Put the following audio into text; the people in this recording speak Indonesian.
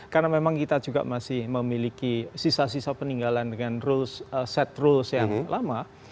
karena memang kita juga masih memiliki sisa sisa peninggalan dengan set rules yang lama